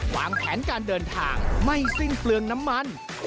วางแผนการเดินทางไม่สิ้นเปลืองน้ำมัน